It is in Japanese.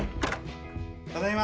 ただいま。